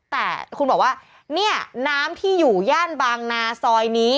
แต่คุณบอกว่าเนี่ยน้ำที่อยู่ย่านบางนาซอยนี้